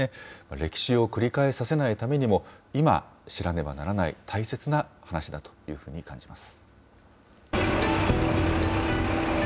歴史を繰り返させないためにも、今、知らねばならない大切な話だというふうに感じます。